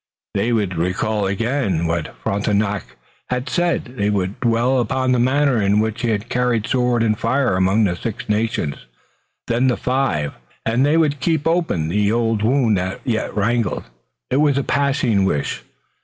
They would recall again what Frontenac had done. They would dwell upon the manner in which he had carried sword and fire among the Six Nations, then the Five, and they would keep open the old wound that yet rankled. It was a passing wish.